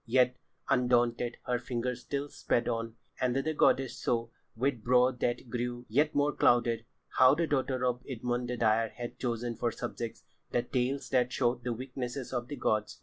Yet, undaunted, her fingers still sped on, and the goddess saw, with brow that grew yet more clouded, how the daughter of Idmon the dyer had chosen for subjects the tales that showed the weaknesses of the gods.